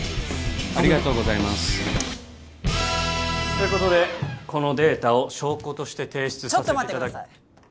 ありがとうございますということでこのデータを証拠として提出させてちょっと待ってください